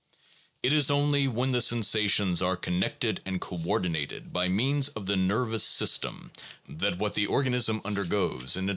It is only when the sensations are connected and co ordinated by means of the nervous system that what the organism undergoes in interaction • Articles in J.